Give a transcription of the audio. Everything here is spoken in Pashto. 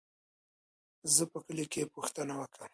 زه به په کلي کې پوښتنه وکم.